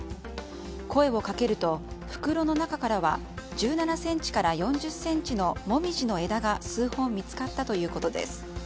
声をかけると、袋の中からは１７ｃｍから４０ｃｍのモミジの枝が数本見つかったということです。